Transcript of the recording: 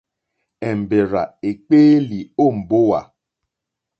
Èmbèrzà èkpéélì ó mbówà.